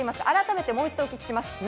改めてもう一度お聞きします。